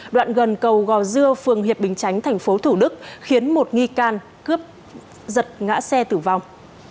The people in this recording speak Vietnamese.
đoạn gần cầu gò dưa phường hiệp bình chánh tp thủ đức khiến một nghi can cướp giật ngã xe tử vong